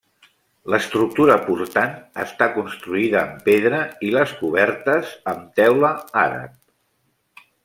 L'estructura portant està construïda amb pedra, i les cobertes, amb teula àrab.